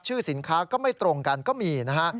สินค้าก็ไม่ตรงกันก็มีนะฮะ